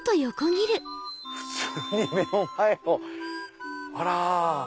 普通に目の前をあら！